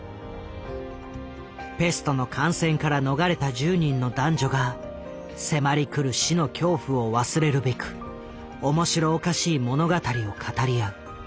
ペストの感染から逃れた１０人の男女が迫りくる死の恐怖を忘れるべく面白おかしい物語を語り合う。